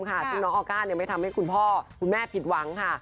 ซึ่งน้องออก้าไม่ทำให้คุณพ่อคุณแม่ผิดหวังค่ะ